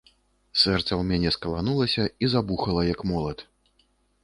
Сэрца ў мяне скаланулася і забухала, як молат.